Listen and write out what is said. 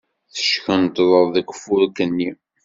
Teckunṭḍed deg ufurk-nni.